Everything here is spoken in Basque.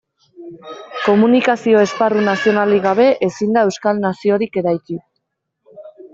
Komunikazio esparru nazionalik gabe, ezin da euskal naziorik eraiki.